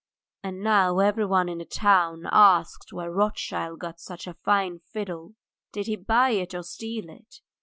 And now everyone in the town asks where Rothschild got such a fine fiddle. Did he buy it or steal it?